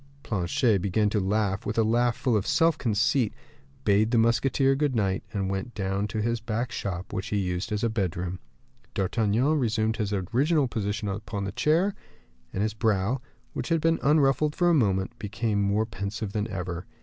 Planchet began to laugh with a laugh full of self conceit; bade the musketeer good night, and went down to his back shop, which he used as a bedroom. D'Artagnan resumed his original position upon his chair, and his brow, which had been unruffled for a moment, became more pensive than ever.